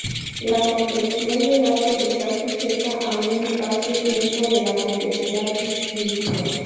La compresión de datos está sujeta a un espacio-tiempo de la complejidad disyuntiva.